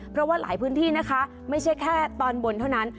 เพราะว่าหลายพื้นที่นะคะไม่ใช่แค่ตอนบนเท่านั้น